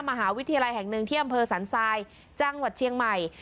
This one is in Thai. มหาวิทยาลัยแห่งหนึ่งที่อำเภอสันทรายจังหวัดเชียงใหม่